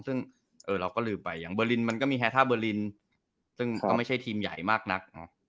ซึ่งเราก็ลืมไปอย่างเบอร์ลินมันก็มีแฮท่าเบอร์ลินซึ่งก็ไม่ใช่ทีมใหญ่มากนัก